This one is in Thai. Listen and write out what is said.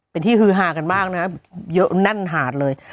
เป็นที่ฮือฮากันมากนะครับเยอะแน่นหาดเลย